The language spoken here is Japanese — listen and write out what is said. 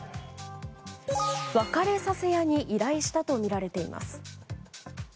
別れさせ屋に依頼したとみられています。